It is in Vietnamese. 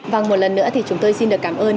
vâng một lần nữa thì chúng tôi xin được cảm ơn